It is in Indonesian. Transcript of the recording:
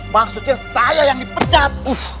maksudnya saya yang dipecat